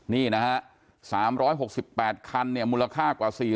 นี่นะฮะ๓๖๘คันมูลค่ากว่า